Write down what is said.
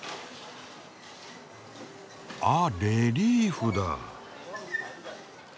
あっレリーフだ。